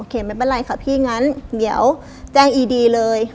ไม่เป็นไรค่ะพี่งั้นเดี๋ยวแจ้งอีดีเลย